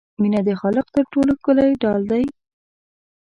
مینه د خالق تر ټولو ښکلی ډال دی.